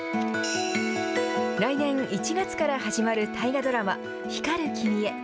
来年１月から始まる大河ドラマ、光る君へ。